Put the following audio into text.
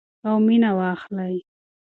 او مینه واخلئ.